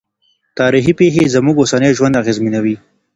تاریخي پېښې زموږ اوسنی ژوند اغېزمنوي.